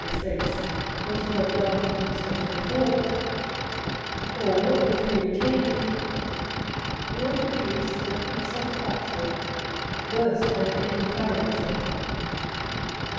4 1)5 efface what you have done the instant before, or if you retain it, you will produce a piece of patchwork, worse than any caricature.